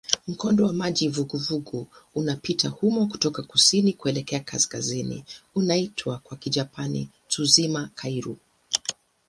Mkondo wa maji vuguvugu unapita humo kutoka kusini kuelekea kaskazini unaoitwa kwa Kijapani "Tsushima-kairyū".